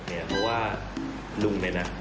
เพราะว่าลุงเนี่ยนะ